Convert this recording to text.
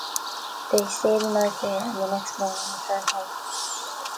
They stay the night there and the next morning return home.